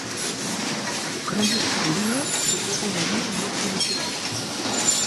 Ukrainako Liga eta Kopa bana lortu ditu.